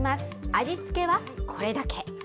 味付けはこれだけ。